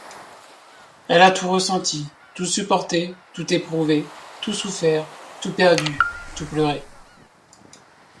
Elle a tout ressenti, tout supporté, tout éprouvé, tout souffert, tout perdu, tout pleuré.